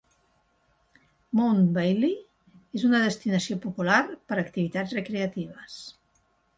Mount Bailey és una destinació popular per a activitats recreatives.